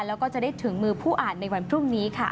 แล้วก็จะได้ถึงมือผู้อ่านในวันพรุ่งนี้ค่ะ